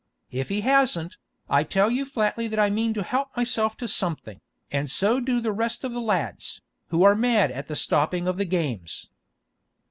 If he hasn't, I tell you flatly that I mean to help myself to something, and so do the rest of the lads, who are mad at the stopping of the games."